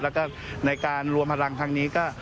แล้วก็ในการรวมพลังครั้งนี้ก็